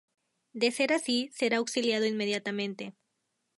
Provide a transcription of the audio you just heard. De ser así, será auxiliado inmediatamente.